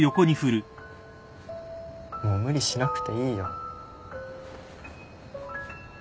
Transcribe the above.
もう無理しなくていいよ。